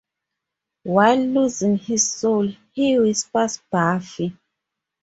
While losing his soul, he whispers 'Buffy'.